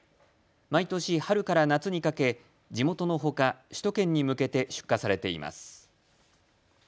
毎年、春から夏にかけ地元のほか首都圏に向けて出荷されています。